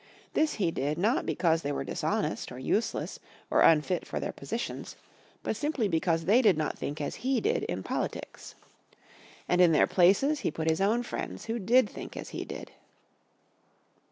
This he did, not because they were dishonest, or useless, or unfit for their positions, but simply because they did not think as he did in politics. And in their places he put his own friends who did think as he did.